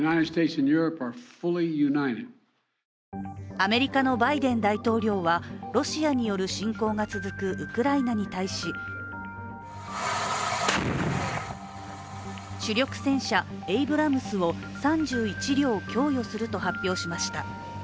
アメリカのバイデン大統領はロシアによる侵攻が続くウクライナに対し主力戦車エイブラムスを３１両供与すると発表しました。